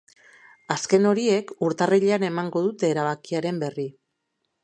Azken horiek urtarrilean emango dute erabakiaren berri.